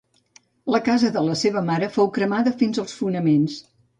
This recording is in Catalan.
La casa de la seva mare fou cremada fins als fonaments.